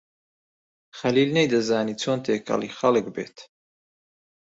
خەلیل نەیدەزانی چۆن تێکەڵی خەڵک بێت.